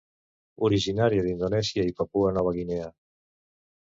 Originària d'Indonèsia i Papua Nova Guinea.